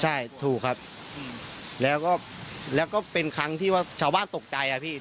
ใช่ถูกครับแล้วก็เป็นครั้งที่ว่าชาวบ้านตกใจอ่ะพี่